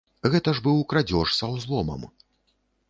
Гэта ж быў крадзеж са ўзломам.